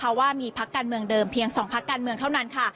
เพราะว่ามีพักการเมืองเดิมเพียง๒พักการเมืองเท่านั้นค่ะ